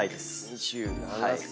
２７歳！